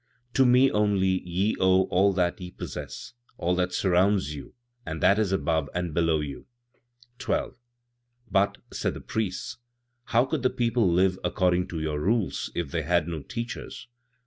"To me only ye owe all that ye possess, all that surrounds you and that is above and below you.'" 12. "But," said the priests, "how could the people live according to your rules if they had no teachers?"